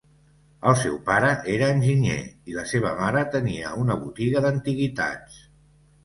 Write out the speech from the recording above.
El seu pare era enginyer i la seva mare tenia una botiga d'antiguitats.